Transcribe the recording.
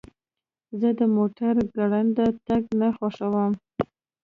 زه د موټر ګړندی تګ نه خوښوم.